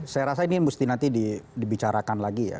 saya rasa ini mesti nanti dibicarakan lagi ya